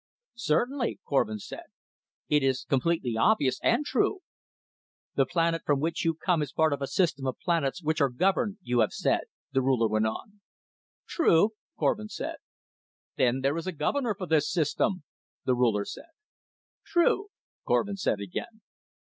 "Certainly," Korvin said. "It is completely obvious and true." "The planet from which you come is part of a system of planets which are governed, you have said," the Ruler went on. "True," Korvin said. "Then there is a governor for this system," the Ruler said. "True," Korvin said again.